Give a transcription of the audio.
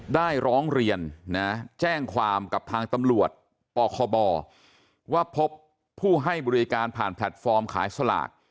ร้องเรียนนะแจ้งความกับทางตำรวจปคบว่าพบผู้ให้บริการผ่านแพลตฟอร์มขายสลาก